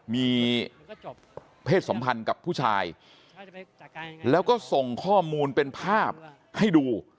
มีเพศสัมพันธ์กับผู้ชายแล้วก็ส่งข้อมูลเป็นภาพให้ดู